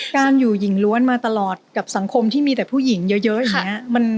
การอยู่หญิงล้วนมาตลอดกับสังคมที่มีแต่ผู้หญิงเยอะอย่างนี้